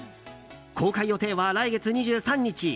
公開予定は来月２３日。